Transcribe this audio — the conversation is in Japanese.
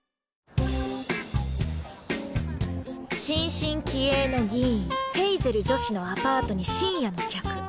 「新進気鋭の議員ヘイゼル女史のアパートに深夜の客。